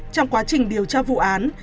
trong quá trình điều tra vụ án